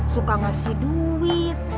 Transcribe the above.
suka ngasih duit